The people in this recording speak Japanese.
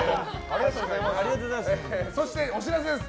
そして、お知らせです。